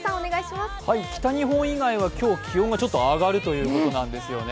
北日本以外は今日、気温がちょっと上がるということです。